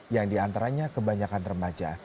yang di antaranya kebanyakan terpaksa